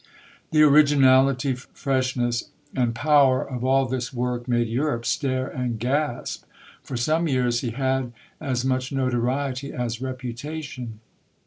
The originality, freshness, and power of all this work made Europe stare and gasp. For some years he had as much notoriety as reputation.